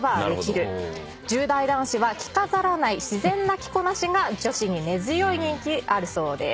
１０代男子は着飾らない自然な着こなしが女子に根強い人気あるそうです。